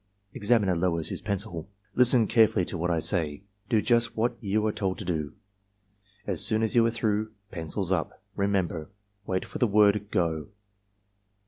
(Examiner lowers his pencil.) Listen carefully to what I say. Do just what you are told to do. As soon as you are through, pencils up. Remember, wait for the word 'Go.'"